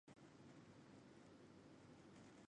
膦有时也专指磷化氢。